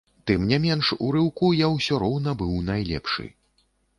Тым не меншу, у рыўку я ўсё роўна быў найлепшы.